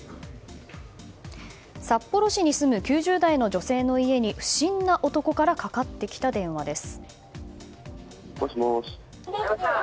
札幌市に住む９０代の女性の家に不審な男からかかってきた電話です。